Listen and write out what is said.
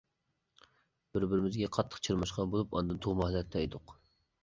بىر-بىرىمىزگە قاتتىق چىرماشقان بولۇپ ئانىدىن تۇغما ھالەتتە ئىدۇق.